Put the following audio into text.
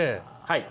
はい。